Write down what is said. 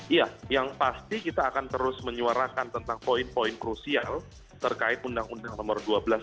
iya yang pasti kita akan terus menyuarakan tentang poin poin krusial terkait undang undang nomor dua belas tahun sembilan puluh lima ini